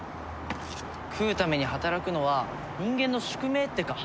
食うために働くのは人間の宿命ってか。